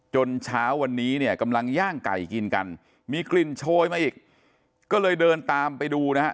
เช้าวันนี้เนี่ยกำลังย่างไก่กินกันมีกลิ่นโชยมาอีกก็เลยเดินตามไปดูนะฮะ